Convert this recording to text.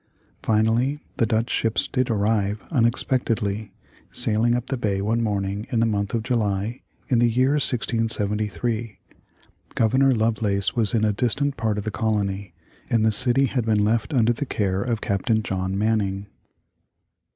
Finally the Dutch ships did arrive unexpectedly, sailing up the bay one morning in the month of July, in the year 1673. Governor Lovelace was in a distant part of the colony, and the city had been left under the care of Captain John Manning.